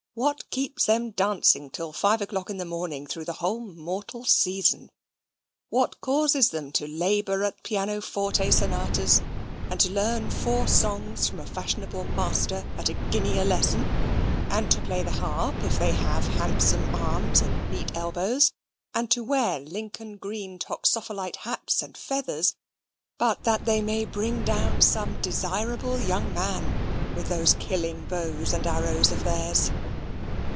What keeps them dancing till five o'clock in the morning through a whole mortal season? What causes them to labour at pianoforte sonatas, and to learn four songs from a fashionable master at a guinea a lesson, and to play the harp if they have handsome arms and neat elbows, and to wear Lincoln Green toxophilite hats and feathers, but that they may bring down some "desirable" young man with those killing bows and arrows of theirs?